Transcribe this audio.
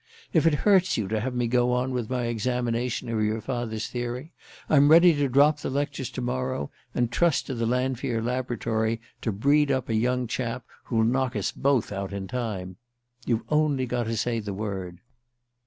If it hurts you to have me go on with my examination of your father's theory, I'm ready to drop the lectures to morrow, and trust to the Lanfear Laboratory to breed up a young chap who'll knock us both out in time. You've only got to say the word."